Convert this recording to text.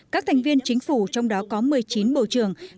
các thành viên chính phủ trong đó có một mươi chín bầu trường